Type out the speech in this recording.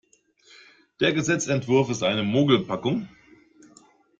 Der Gesetzesentwurf ist eine Mogelpackung.